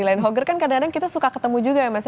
land hogger kan kadang kadang kita suka ketemu juga ya mas ya